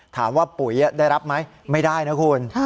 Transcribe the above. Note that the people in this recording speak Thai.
ปุ๋ยได้รับไหมไม่ได้นะคุณ